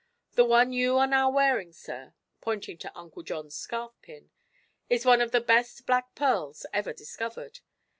The one you are now wearing, sir," pointing to Uncle John's scarf pin, "is one of the best black pearls ever discovered.